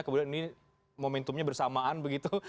kemudian ini momentumnya bersamaan begitu